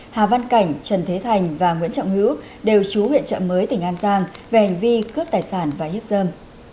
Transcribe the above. hà văn cảnh trần thế thành và nguyễn trọng hữu đều chú huyện trợ mới tỉnh an giang về hành vi cướp tài sản và hiếp dâm